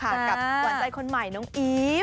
กับหวานใจคนใหม่น้องอีฟ